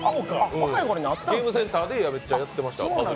ゲームセンターでめっちゃやってました。